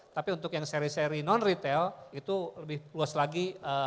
tapi untuk yang seri seri non retail itu lebih luas lagi